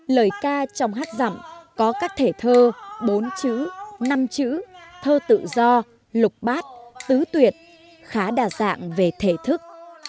lời ca trong hát dặm có các thể thơ bốn chữ năm chữ thơ tự do lục bát tứ tuyệt khá đa dạng về thể thức